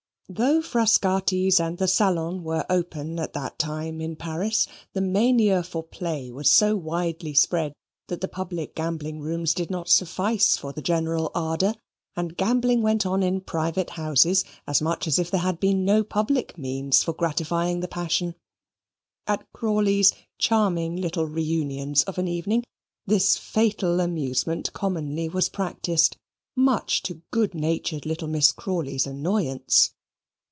Though Frascati's and the Salon were open at that time in Paris, the mania for play was so widely spread that the public gambling rooms did not suffice for the general ardour, and gambling went on in private houses as much as if there had been no public means for gratifying the passion. At Crawley's charming little reunions of an evening this fatal amusement commonly was practised much to good natured little Mrs. Crawley's annoyance.